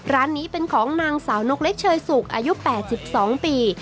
ร้านนี้เป็นของนางสาวนกเล็กเชยสุกอายุ๘๒ปี